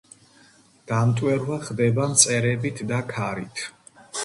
დამტვერვა ხდება მწერებით და ქარით.